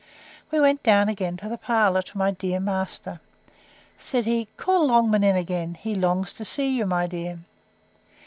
We went down again to the parlour, to my dear master. Said he, Call Longman in again; he longs to see you, my dear.